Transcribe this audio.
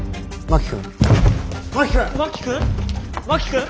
真木君！